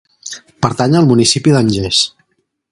Pertany al Municipi d'Angers.